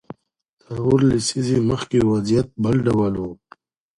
څلور لسیزې مخکې وضعیت بل ډول و.